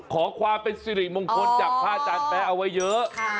ขอความเป็นสิริมงคลจากพระอาจารย์แป๊ะเอาไว้เยอะ